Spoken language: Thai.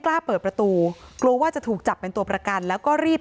กล้าเปิดประตูกลัวว่าจะถูกจับเป็นตัวประกันแล้วก็รีบ